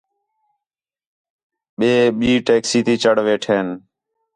ٻئے ٻئی ٹیکسی تی چڑھ ویٹھین